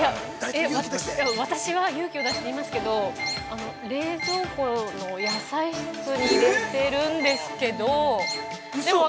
私は、勇気を出して言いますけど、冷蔵庫の野菜室に入れてるんですけど。